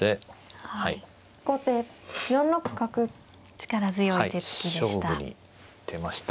力強い手つきでした。